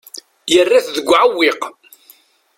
Yerra-t deg uɛewwiq.